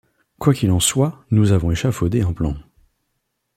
Quoi qu’il en soit, nous avons échafaudé un plan.